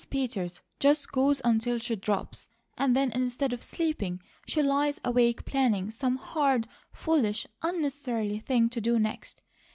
Peters just goes until she drops, and then instead of sleeping, she lies awake planning some hard, foolish, unnecessary thing to do next.